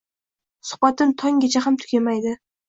Suhbatim tonggacha ham tugamaydi.